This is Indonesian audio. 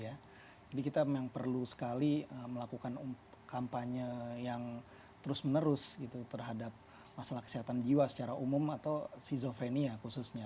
jadi kita memang perlu sekali melakukan kampanye yang terus menerus terhadap masalah kesehatan jiwa secara umum atau skizofrenia khususnya